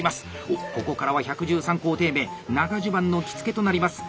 おっここからは１１３工程目長襦袢の着付となります。